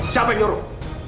siapa yang nyuruh